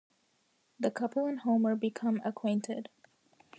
The couple and Homer become acquainted.